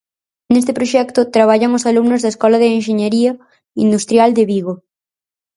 Neste proxecto traballan os alumnos da Escola de Enxeñería Industrial de Vigo.